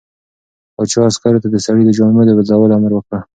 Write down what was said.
پاچا عسکرو ته د سړي د جامو د بدلولو امر وکړ.